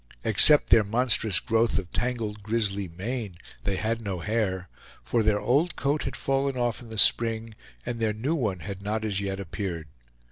Except their monstrous growth of tangled grizzly mane, they had no hair; for their old coat had fallen off in the spring, and their new one had not as yet appeared.